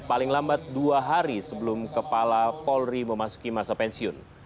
paling lambat dua hari sebelum kepala polri memasuki masa pensiun